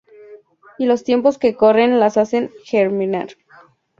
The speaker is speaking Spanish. Y los tiempos que corren las hacen germinar.